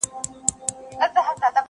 تاوېدی له ډېره درده قهرېدلی.!